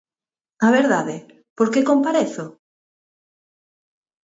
A verdade, ¿por que comparezo?